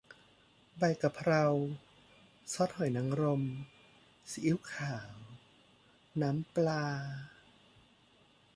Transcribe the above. ใบกะเพรา ซอสหอยนางรม ซีอิ๊วขาว น้ำปลา